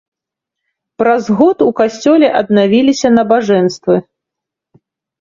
Праз год у касцёле аднавіліся набажэнствы.